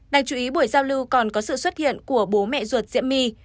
đáng chú ý buổi giao lưu còn có sự xuất hiện của bố mẹ ruột diễm my